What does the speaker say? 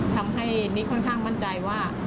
ทำให้นิกค่อนข้างมั่นใจว่า